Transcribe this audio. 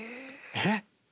えっ。